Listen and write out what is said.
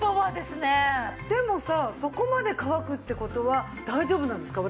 でもさそこまで乾くって事は大丈夫なんですか？